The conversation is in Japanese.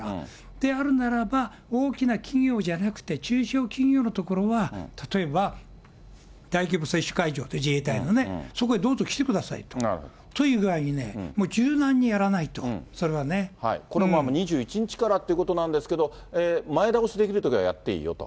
であるならば、大きな企業じゃなくて、中小企業のところは、例えば大規模接種会場、自衛隊のね、そこへどうぞ来てくださいという具合にね、柔軟にやらないと、それはね。これは２１日からということなんですけれども、前倒しできる所はやっていいよと。